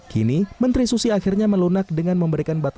kini menteri susi akhirnya melunak dengan memberikan bantuan